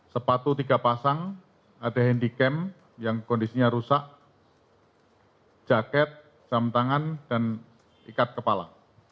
sepatu tiga pasang ada handicap yang kondisinya rusak jaket jam tangan dan ikat kepala